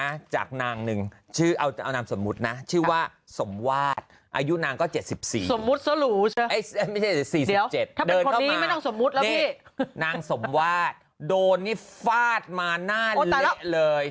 ไอ้ไม่ใช่๔๗เดือนเข้ามานี่นางสมวาดโดนนี่ฟาดมาหน้าเหละเลย